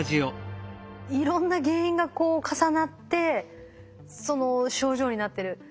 いろんな原因がこう重なってその症状になってる。